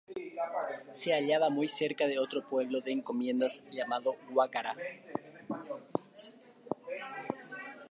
Se hallaba muy cerca de otro pueblo de encomiendas llamado Guacara.